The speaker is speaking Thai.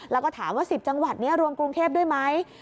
แล้วก็ถามว่า๑๐จังหวัดนี้รวมกรุงเทพด้วยไหม